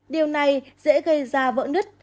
điều này dễ gây ra vỡ nứt